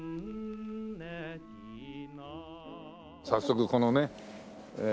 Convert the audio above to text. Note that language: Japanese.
早速このねええ